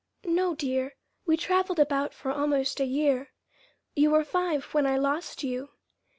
"No, dear. We traveled about for almost a year. You were five when I lost you."